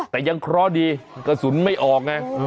แต่ยังเคราะห์ดีกระสุนไม่ออกไง